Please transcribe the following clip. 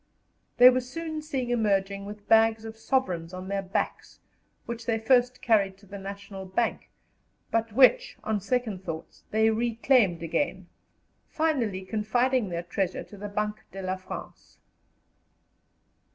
They were soon seen emerging with bags of sovereigns on their backs, which they first carried to the National Bank, but which, on second thoughts, they reclaimed again, finally confiding their treasure to the Banque de la France.